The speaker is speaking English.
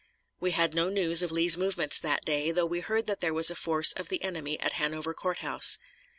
We had no news of Lee's movements that day, though we heard that there was a force of the enemy at Hanover Courthouse.